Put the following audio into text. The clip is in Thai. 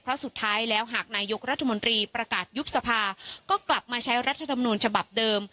เพราะสุดท้ายแล้วหากนายกรัฐมนตรีประกาศยุบสภาก็กลับมาใช้รัฐธรรมนูญฉบับเดิม